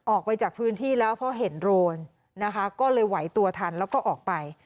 ออกไปจากพื้นที่แล้วเพราะเห็นโรนนะคะก็เลยไหวตัวทันแล้วก็ออกไป